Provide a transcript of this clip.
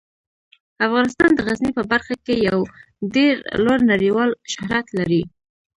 افغانستان د غزني په برخه کې یو ډیر لوړ نړیوال شهرت لري.